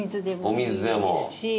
お水でも。